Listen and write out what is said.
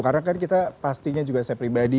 karena kan kita pastinya juga bisa menjawab tantangan itu